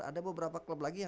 ada beberapa klub lagi yang